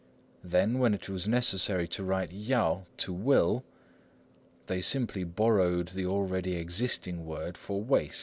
Then, when it was necessary to write down yao, "to will," they simply borrowed the already existing word for "waist."